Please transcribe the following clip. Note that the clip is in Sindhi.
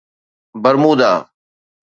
برمودا